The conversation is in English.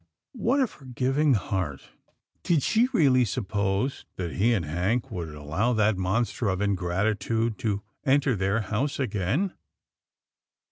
What a forgiving heart. Did she really suppose that he and Hank would allow that monster of ingratitude to enter their house again?